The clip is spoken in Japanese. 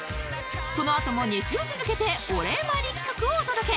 そのあとも２週続けてお礼参り企画をお届け